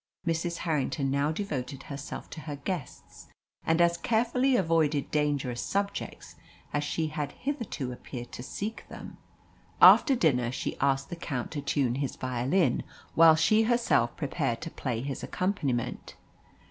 Mrs. Harrington now devoted herself to her guests, and as carefully avoided dangerous subjects as she had hitherto appeared to seek them. After dinner she asked the Count to tune his violin, while she herself prepared to play his accompaniment.